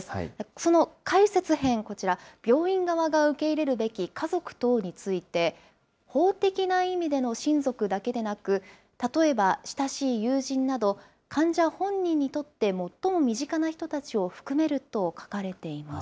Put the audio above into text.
その解説編、病院側が受け入れるべき家族等について、法的な意味での親族だけでなく、例えば親しい友人など、患者本人にとって最も身近な人たちを含めると書かれています。